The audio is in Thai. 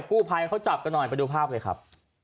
กู้ภัยเขาจับกันหน่อยไปดูภาพเลยครับ